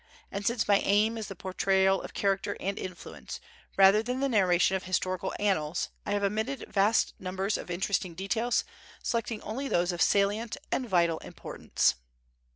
And since my aim is the portrayal of character and influence, rather than the narration of historical annals, I have omitted vast numbers of interesting details, selecting only those of salient and vital importance.